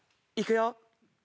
いくよ。